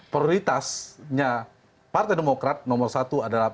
prioritasnya partai demokrat nomor satu adalah